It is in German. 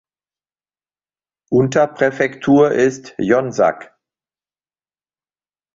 Unterpräfektur ist Jonzac.